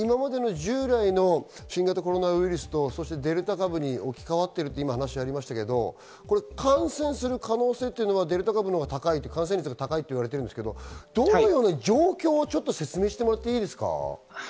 従来の新型コロナウイルスとデルタ株に置き変わっていると話しがありましたが感染する可能性はデルタ株のが高いといわれてますが、状況を説明してもらっていいですか？